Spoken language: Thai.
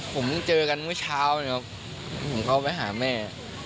ผมเจอกันเมื่อเช้านะครับผมเข้าไปหาแม่